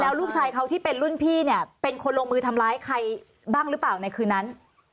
แล้วลูกชายเขาที่เป็นรุ่นพี่เนี่ยเป็นคนลงมือทำร้ายใครบ้างหรือเปล่าในคืนนั้น